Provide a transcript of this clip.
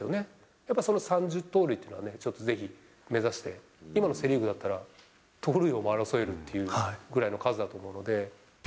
やっぱりその３０盗塁っていうのはね、ちょっとぜひ目指して、今のセ・リーグだったら、盗塁王も争えるってぐらいの数だと思うので。